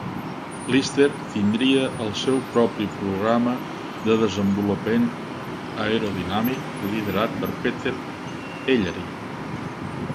Lister tindria el seu propi programa de desenvolupament aerodinàmic liderat per Peter Elleray.